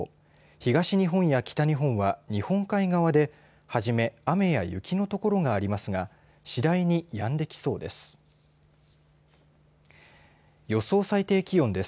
東日本や北日本は日本海側で初め雨や雪のところがありますが次第にやんできそうです。